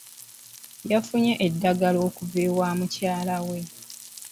Yafunye eddagala okuva ewa mukyala we.